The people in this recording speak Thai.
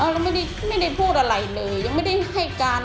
ก็ไม่ได้พูดอะไรเลยยังไม่ได้ให้การ